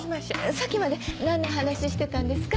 さっきまで何の話してたんですか？